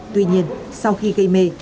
tuy nhiên sau khi gây mê